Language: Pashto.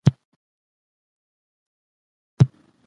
ویښ ملتونه پرمختګ کوي.